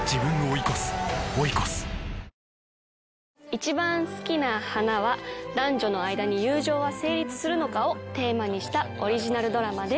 『いちばんすきな花』は男女の間に友情は成立するのかをテーマにしたオリジナルドラマです。